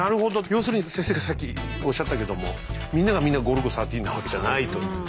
要するに先生がさっきおっしゃったけどもみんながみんなゴルゴ１３なわけじゃないというね。